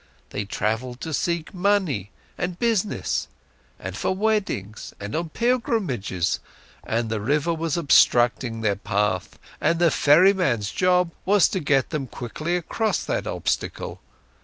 They travelled to seek money and business, and for weddings, and on pilgrimages, and the river was obstructing their path, and the ferryman's job was to get them quickly across that obstacle.